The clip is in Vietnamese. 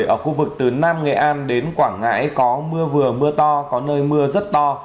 ở khu vực từ nam nghệ an đến quảng ngãi có mưa vừa mưa to có nơi mưa rất to